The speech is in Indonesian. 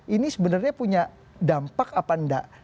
ini sebenarnya punya dampak apa enggak